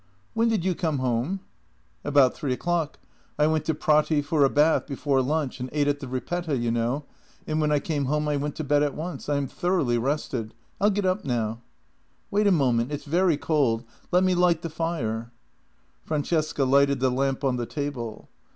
" When did you come home? "" About three o'clock. I went to Prati for a bath before lunch and ate at the Ripetta, you know, and when I came home I went to bed at once. I am thoroughly rested. I'll get up now." "Wait a moment. It's very cold; let me light the fire." Francesca lighted the lamp on the table.